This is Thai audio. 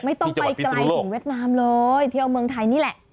ไม่ต้องไปไกลถึงเวียดนามเลยเที่ยวเมืองไทยนี่แหละ